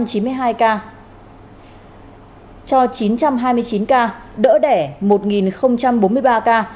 cho chín trăm hai mươi chín ca đỡ đẻ một bốn mươi ba ca